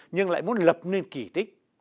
nhưng lại muốn lập nên kỷ tích